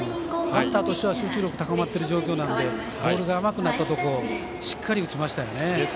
バッターとしては集中力高まってしまってるところなのでボールが甘くなったところしっかり打ち取りましたよね。